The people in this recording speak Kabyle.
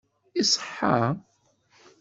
Iṣeḥḥa?